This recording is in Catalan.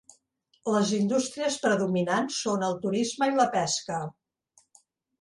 Les indústries predominants són el turisme i la pesca.